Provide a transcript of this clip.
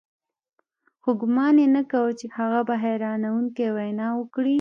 خو ګومان يې نه کاوه چې هغه به حيرانوونکې وينا وکړي.